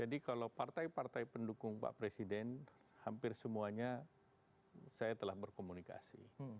jadi kalau partai partai pendukung pak presiden hampir semuanya saya telah berkomunikasi